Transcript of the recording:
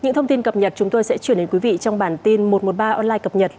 những thông tin cập nhật chúng tôi sẽ chuyển đến quý vị trong bản tin một trăm một mươi ba online cập nhật